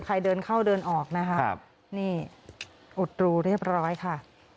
ใครเดินเข้าเดินออกนะคะนี่อดรูเรียบร้อยค่ะ